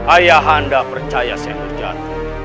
ayah anda percaya seh nurjati